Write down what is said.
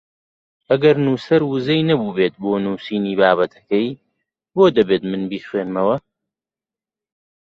ئەگەر نووسەر ووزەی نەبووبێت بۆ نووسینی بابەتەکەی بۆ دەبێت من بیخوێنمەوە؟